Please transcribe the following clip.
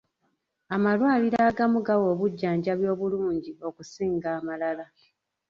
Amalwaliro agamu gawa obujjanjabi obulungi okusinga amalala.